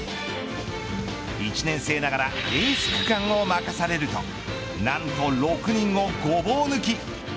１年生ながらエース区間を任されると何と６人をごぼう抜き。